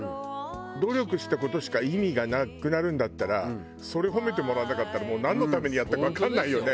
努力した事しか意味がなくなるんだったらそれ褒めてもらわなかったらなんのためにやったかわかんないよね